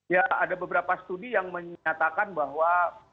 ya ada beberapa studi yang menyatakan bahwa